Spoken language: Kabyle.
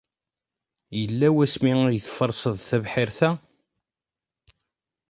Yella wasmi ay tferseḍ tibḥirt-a?